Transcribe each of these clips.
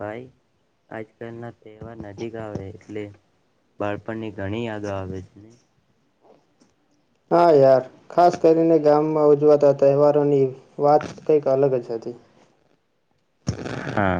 ભાઈ આજકાલ ના તહેવાર નજીક આવે એટલે બાળપણની ઘણી આગા આવે છેને. હા યાર. ખાસ કરીને ગામ માં ઉજવાતા તહેવારોની વાત કંઈક અલગ જ અથી. હા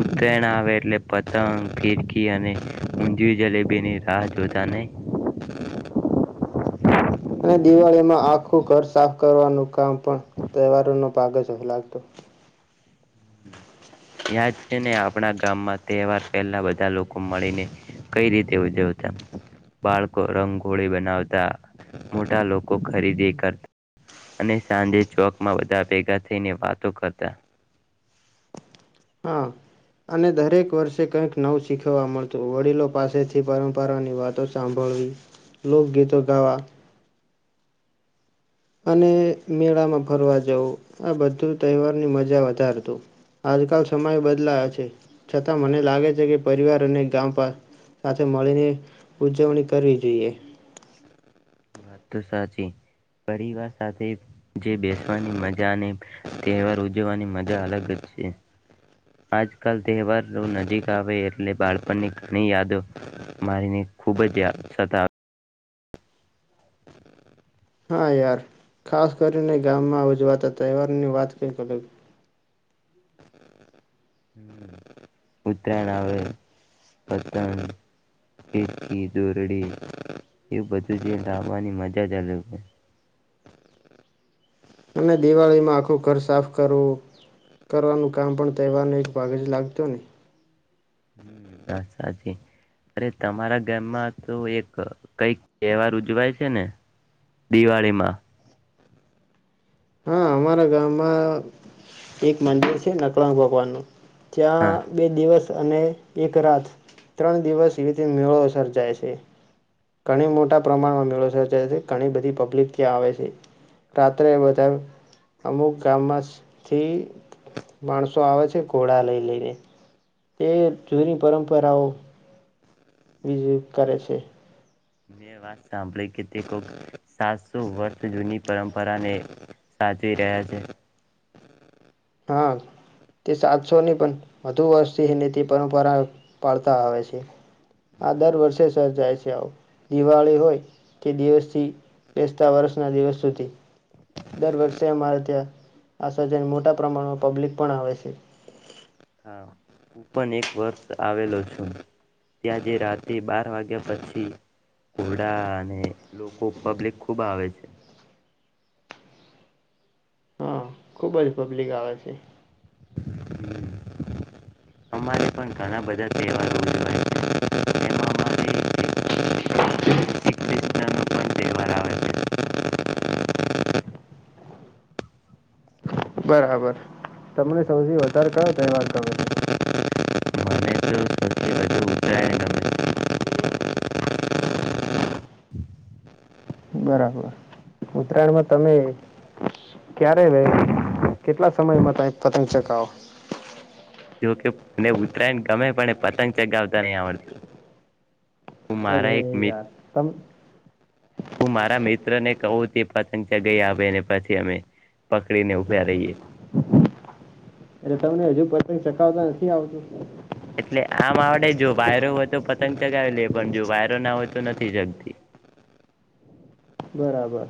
ઉતરાણ આવે એટલે પતંગ ખીરકી અને ઊંધિય જલેબીની રાહ જોતા નહી. અને દિવાળીમાં આખું ઘર સાફ કરવાનું કામ પણ તહેવારોનો ભાગ જ લાગતો. યાદ છે ને આપણા ગામમાં તહેવાર પહેલા બધા લોકો મળીને કઈ રીતે ઉજવતા બાળકો રંગોળી બનાવતા મોટા લોકો ખરીદી કરતા અને સાંજે ચોકમાં બધા ભેગા થઈને વાતો કરતા. હ અને દરેક વર્ષે કઈક નવ શીખવા મળતું વડીલો પાસેથી પરંપરાની વાતો સાંભળવી લોકગીતો ગાવા અને મેળામાં ફરવા જવું આ બધું તહેવારની મજા વધારતું આજકાલ સમય બદલાયો છે છતાં મને લાગે છે કે પરિવાર અને ગામ સાથે મળીને ઉજવણી કરવી જોઈએ. વાત તો સાચી પરિવાર સાથે જે બેસવાની મજા અને તહેવાર ઉજવવાની મજા અલગ જ છે આજકાલ તહેવાર નજીક આવે એટલે બાળપણની ઘણી યાદો મારીને ખૂબ જયાતા હા યાર ખાસ કરીને ગામમાં ઉજવાતા તહેવાર ની વાત ક ઉતરાયણ આવે પતંગ દોરડી એ બધું રવાની મજા ચાલ છે. અને દિવાળીમાં આખું ઘર સાફ કરવું. કરવાનું કામ પણ. તહેવાર ન એક ભાગ જ લાગતો ને. હ સાચી અરે તમારા ગામમાં તો એક કઈક તહેવાર ઉજવાય છે ને દિવાળીમાં. હા અમારા ગામમાં એક મંદિર છે નકલાંગ ભગવાન નું હા જ્યાં બે દિવસ અને એક રાત ત્રણ દિવસ રીતે મેળો સર્જાય છે ઘણી મોટા પ્રમાણમાં મેળો સર્જાય છે ઘણી બધી પબ્લિક ત્યાં આવે છે રાત્રે બધા અમુક ગામમાંથી માણસો આવે છે ઘોડા લઈ લઈને તે જૂની પરંપરાઓ બીજું કરે છે મેં વાત સાંભળી કે તે કો સાતસો વર્ષ જૂની પરંપરાને સાચવી રહ્યા છે હા તે સાતસો ની પણ વધુ વર્ષથી ને તે પરંપરા પાળતા આવે છે આ દર વર્ષે સર્જાય છે આવ દિવાળી હોય તે દિવસથી બેસતા વર્ષના દિવસ સુધી દર વર્ષે અમારે ત્યાં આ સર્જન મોટા પ્રમાણમાં પબ્લિક પણ આવે છે હા હું પણ એક વર્ષ આવેલો છું ત્યાંથી રાત્રે બાર વાગ્યા પછી ઘોડા અને લોકો પબ્લિક ખુબ આવે છે હા ખુબ જ પબ્લિક આવે છે અમારે પણ ઘણા બધા તહેવારો ઉજવાહ છે એમાં અમારે શ્રી કિષ્ણનો પણ તહેવાર આવે છે બરાબર તમને સૌથી વધારે કયો તહેવાર ગમે છે મને તો સૌથી વધુ ઉત્તરાયણ ગમે [unintelligible] બરાબર ઉત્તરાયણમાં તમે ક્યારે કેટલા સમયમાં પતંગ ચગાવો જો કે મને ઉત્તરાયણ ગમે પણ એ પતંગ ચગાવતા નહી આવડતું હું અરે મારા એક મિત્ર યાર તમે હું મારા મિત્ર ને કહું તેછ ચગાવી આવે એને પછી અમે પકડેને ઉભા રહીએ એટલે તમને હજુ પતંગ ચખાવતા નથી આવતું એટલે આમ આવડે જો વાયરો હોય તો પતંગ ચગાવી લે પણ જો વાયરો ના હોય તો નથી ચગતી બરાબર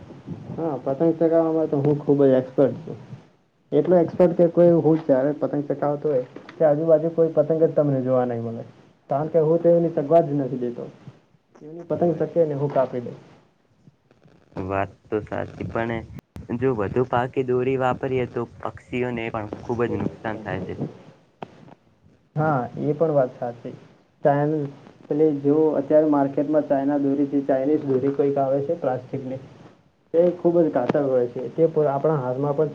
હા પતંગ ચગાવવામાં તો હું ખુબ જ એક્સપર્ટ છું એટલું એક્સપર્ટ કે કોઈ ત્યારે પતંગ ચગાવતો હોય કે આજુબાજુ કોઈ પતંગ જ તમને જોવા નહી મળે કારણ કે હું તો એની ચગવા જ નથી દેતો એમની પતંગ ચગે ને હું કાપી દે વાત તો સાચી પણ જો વધુ પાકી દોરી વાપરીએ તો પક્ષી ઓને પણ ખુબ જ નુકસાન થાય છે હા એ પણ વાત સાચી એટ જો અત્યારે માર્કેટમાં ચાઈના દોરીથી ચાઇનીઝ દોરી કઈક આવે છે પ્લાસ્ટિકની તે ખુબ જ ગાતક હોય છે તે આપણા હાથમાં પણ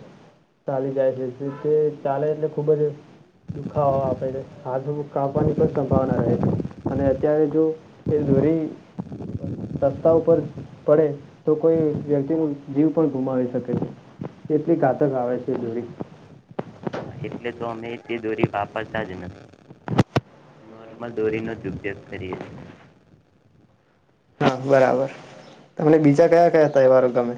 ચાલી જાય છે તે ચાલે એટલે ખૂબ જ દુખાવા આપે છે હાથ કાપવાની પણ સંભાવના રહે છે અને અત્યારે જો એ દોરી રસ્તા ઉપર પડે તો કોઈ વ્યક્તિ ન જીવ પણ ગુમાવી શકે છે એટલી ઘાતક આવે છે એ દોરી હા એટલે તો અમે તે દોરી વાપરતા જ નથી નોર્મલ દોરીનો જ ઉપયોગ કરીએ છીએ હા બરાબર તમને બીજા કયા કયા તહેવારો ગમે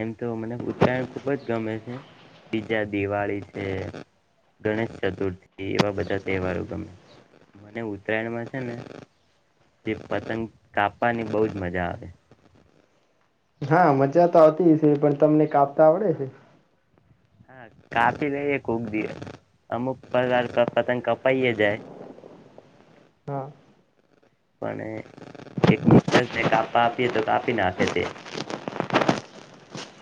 એમ તો મને ઉત્તરાયણ ખૂબ જ ગમે છે બીજા દિવાળી છે ગણેશ ચતુર્થી એવા બધા તહેવારો ગમે મને ઉત્તરાયણમાં છે ને જે પતંગ કાપવાની બહુજ મજા આવે હા મજા તો આવતી છે પણ તમને કાપતા આવડે છે હા કાપી લઈ કોક દિવસ અમુક પરકાર પતંગ કપાઈએ જાય હા. [unintelligible] એક [unintelligible] ને કાપવા આપીએ તો કાપી નાખે તે.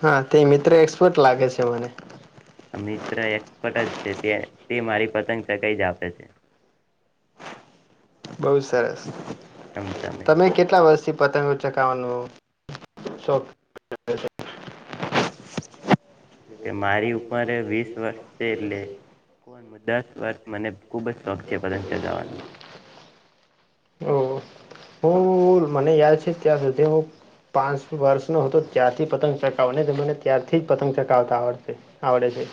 હા તે મિત્ર એક્સપર્ટ લાગે છે મને. આ મિત્ર એક્સપર્ટ જ છે તે તે મારી પતંગ કટાય જ આપે છે. બહુ સરસ. તમતમે. પતંગ ઉચકાવવાનું શોખ [inaudible] [inaudible] કે મારી ઉંમરે વીસ વર્ષ છે, એટલે [inaudible] દસ વર્ષ મને ખૂબ જ શોખ છે પતંગ ચગાવવાનો. ઓ હું મને યાદ છે ત્યાં સુધી હું પાંચ વર્ષનો હતો ત્યારથી પતંગ ચકાવ્યો નને મને ત્યારથી જ પતંગ ચકાવતા આવડે. આવડે છે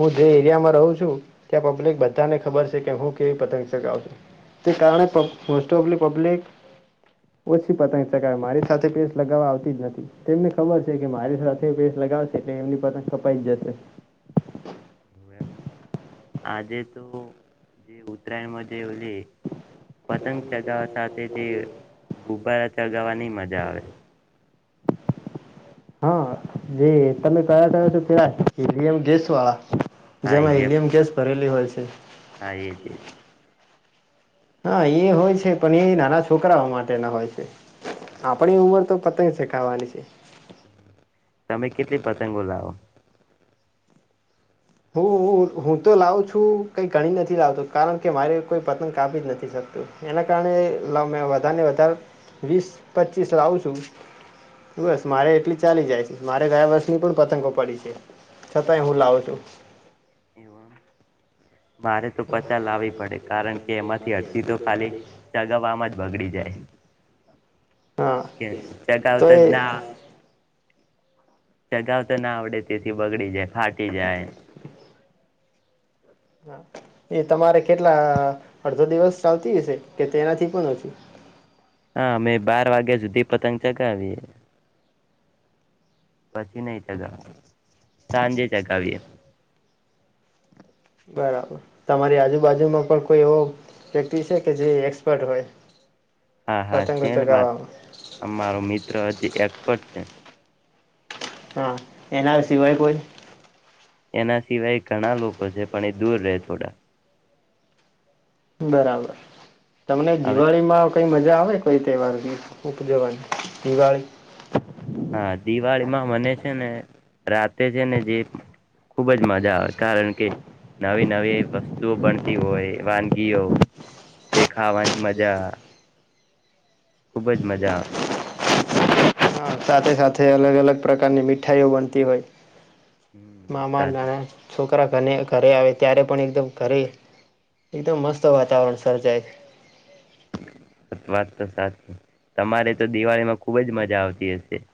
હું જે એરિયામાં રહું છું. ત્યાં પબ્લિક બધાને ખબર છે. તે કે હું કેવી પતંગ ચગાવું તે જાણે મોસ્ટ ઓફ થે પબ્લિક ઓછી પતંગ ચાગાવે મારી સાથે પેચ લગાવવા આવતી જ નથી તેમને ખબર છે કે મારી સાથે પેચ લગાવશે એટલે એમની પતંગ કપાઈ જશે. હ એમ આજે તો જે ઉત્તરાયણમાં જે તે પતંગ ચગાવવા સાથે જે ગુબ્બારા ચગાવવાની મજા આવે. [unintelligible] હા જે તમે કયા તા પેલા હીલિંયમ ગેસ વાળા હા જેમાં એલિયમ હિલિયમ ગેસ ભરેલી હોય છે. [inaudible] હા એ જ એ. હા એ હોય છે પણ એ નાના છોકરાઓ માટેના હોય છે. આપણી ઉંમર તો પતંગ. ત ચગવાની છે. તમે કેટલી પતંગો લાવો? હું હું હું તો લાવું છું કઈ ઘણી નથી લાવતો કારણ કે મારે કોઈ પતંગ કાપી જ નથી શકતું એના કારણે વધારે ને વધારે વીસ પચીસ લાવું છું બસ મારે એટલી ચાલી જાય છે મારે ગયા વર્ષની પણ પતંગો પડી છે. છતાંય હું લાવું છું. એવુ. મારે તો પચાસ લાવવી પડે કારણ કે એમાંથી અડધી તો ખાલી ચગાવવામાં જ બગડી જાય હા કે તો ચગાવતા એ જ ના. ચગાાવ તને આવડે છે. થી બગડી જાય, ફાટી જાય. એ તમારે કેટલા અડધો દિવસ ચાલતી હશે કે તેનાથી પણ ઓછુ? હા. અમે બાર વાગ્યા સુધી પતંગ ચગાવીએ. પછી નહીં ચગાવતા. સાંજે ચગાવીએ. બરાબર. તમારી આજુબાજુમાં પણ કોઈ એવો વ્યક્તિ છે કે જે એક્સપર્ટ હોય? હા હા પતંગો છે ચગાવવામાં અરો મિત્ર હજી એક્સપર્ટ છે હા એના સિવાય કોઈ એના સિવાય ઘણા લોકો છે પણ એ દૂર રહે થોડા બરાબર તમને હવે દિવાળી માં કઈ મજા જા આવે કોઈ તહેવાર ઉપજવાની દિવાળી હા દિવાળી માં મને છે ને રાતે છે ને જે ખુબ જ મજા આવે કારણ કે નવી નવી વસ્ જો ભણતી હોય વાનગીઓ તે ખાવાની મજા ખુબ જ મજા આવે હા સાથે સાથે અલગ અલગ પ્રકારની મીઠાઈઓ બનતી હોય હમ મામા સાચી નાણા છોકરી છકરા ઘ ઘરે આવે ત્યારે પણ એકદમ ઘરે એકદમ મસ્ત વાતાવરણ સર્જાય વાત તો સાચી તમારે તો દિવાળીમાં ખુબ જ મજા આવતી હશે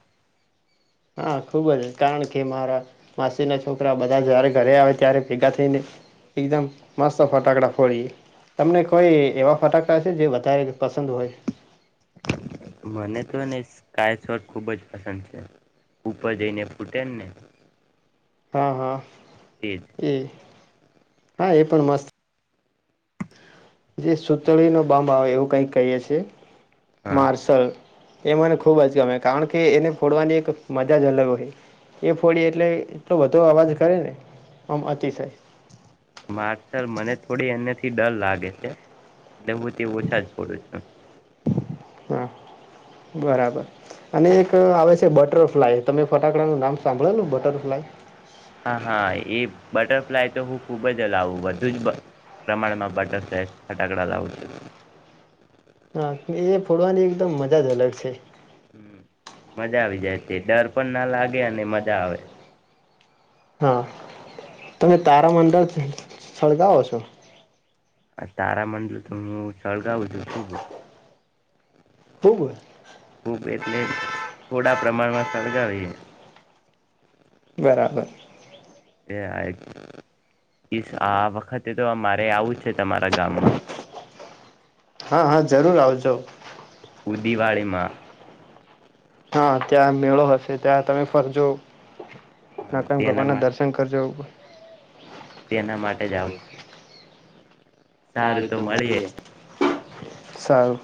હા ખૂબ જ કારણ કે મારા માસીના છોકરા બધા જારે ઘરે આવે ત્યારે ભેગા થઈને એકદમ મસ્ત ફટાકડા ફોડી તમને કોઈ એવા ફટાકડા છે જે વધારે પસંદ હોય મને તો ને સ્કાય સ્વર ખુબ જ પસંદ છે ઉપર જઈને ફૂટે ને હા હા તેજ એ હા એ પણ મસ્ત જે સુતળ નો બંબ આવે એવું કઈક કહીએ છ છે હા માર્સલ એ મને ખુબ જ ગમે કારણ કે એને ફોડવાની એક મજા જ અલગ હોય એ ફોડી એટલે એટલો બધો અવાજ કરે ને આમ અતિશય માર્સલ મને થોડી એને થી ડર લાગે છે એટલે હું તે ઓછા જ ફોડું છું હા બરાબર અને એક આવે છે બટરફ્લાય તમે ફટાકડા ન નામ સાંભળો નને બટરફ્લાય હા હા એ બટર તો હું ખુબ જ લાવું બધું જ પ્રમાણમાં બટરય ફટાકડા લાવું છું હા એ ફોડવાની એકદમ મજા જ અલગ છે હ મજા આવી જાય તે ડર પણ ના લાગે અને મજા આવે હા તમે તારા મંદળ સળગાવો છો તારામંડલ તો હું સળગાવું છું શું ખુબ ખૂબ એટલે થોડા પ્રમાણમાં સળગાવીએ બરાબર એ આ વખતે તો અમારે આવું જ છે તમારા ગામમાં હા હા જરૂર આવજો દિવાળીમાં પદીવાલીમાં હા ત્યાં મેળો હશે ત્યાં તમે ફરજો નાગક તેના ભગવાન ના માટે દર્શન કરજો તેના માટે જાવું છે સારું તો મળી યે સારું